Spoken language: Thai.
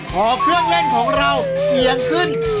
พอเครื่องเล่นของเราเอียงขึ้น